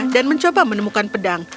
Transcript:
dan mencoba menemukan pedang